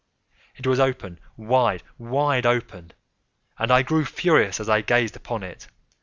It was open—wide, wide open—and I grew furious as I gazed upon it.